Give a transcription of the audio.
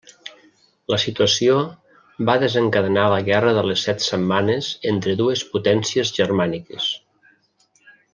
La situació va desencadenar la Guerra de les Set Setmanes entre les dues potències germàniques.